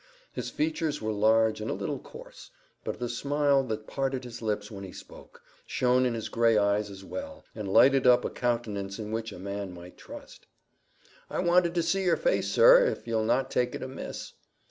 His features were large and a little coarse, but the smile that parted his lips when he spoke, shone in his gray eyes as well, and lighted up a countenance in which a man might trust. "I wanted to see yer face, sir, if you'll not take it amiss."